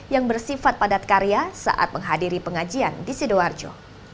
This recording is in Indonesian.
yang bersifat padat karya saat menghadiri pengajian di sidoarjo